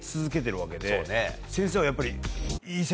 先生はやっぱり。